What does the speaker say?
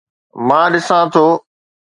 مان ڏسان ٿو